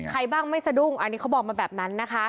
ใครบ้างไม่สะดุ้งอันนี้เขาบอกมาแบบนั้นนะคะ